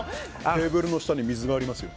テーブルの下に水がありますよ。